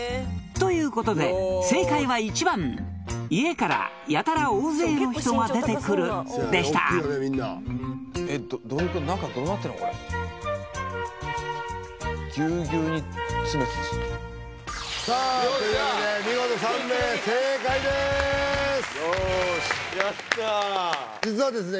ということで正解は１番家からやたら大勢の人が出てくるでしたさあというわけで見事３名正解でーすよーしやったー実はですね